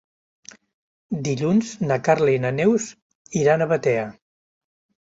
Dilluns na Carla i na Neus iran a Batea.